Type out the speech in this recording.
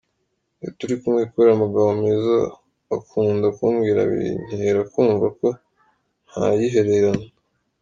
Iyo turi kumwe kubera amagambo meza akunda kumbwira bintera kumva ko ntayihererana.